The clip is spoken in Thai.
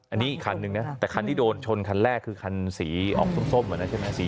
อันนี้อีกคันนึงนะแต่คันที่โดนชนคันแรกคือคันสีออกส้มส้มเหมือนนั้นใช่ไหม